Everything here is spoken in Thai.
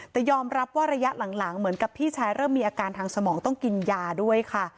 แต่ยอมรับว่าระยะหลังเหมือนกับพี่ชายเริ่มมีอาการทางสมองต้องกินยาด้วยค่ะ